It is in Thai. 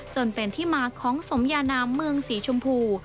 จนเป็นที่มาของสมยานามเมืองสีชมพู